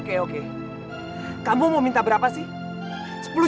oke oke kamu mau minta berapa sih